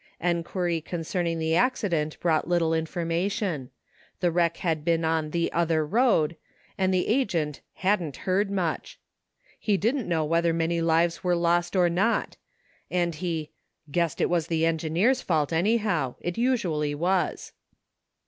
'* Enquiry concerning the accident brought little in formation. The wreck had been on the " other road '^ and the agent " hadn't heard much." He " didn't know whether many lives were lost or not," and he " guessed it yras the engineer's fault, any how, — it usually was.''